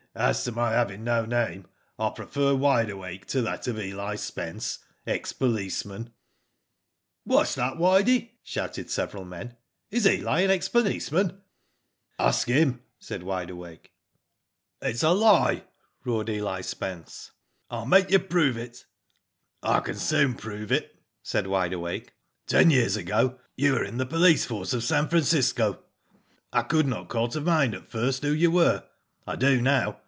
"As to my having no name, I prefer Wide Awake to that of Eli Spence, ex policeman." Digitized byGoogk OLD WIDE AWAKE, 85 ''What's that, Widey," shouted several men. "Is Eli an ex policeman ?'' Ask him/' said Wide Awake. "It's a lie," roared Eli Spence. "I'll make you prove it." " I can soon prove it," said Wide Awake. " Ten years ago you were in the police force of San Francisco. I could not call to mind at first who you were. I do now.